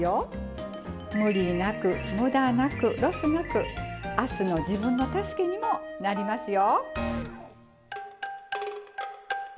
無理なくムダなくロスなく明日の自分の助けにもなりますよ。